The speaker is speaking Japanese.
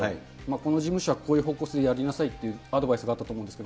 この事務所はこういう方向性でやりなさいっていうアドバイスがあったと思うんです。